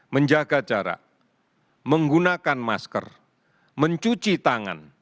menjaga jarak menggunakan masker mencuci tangan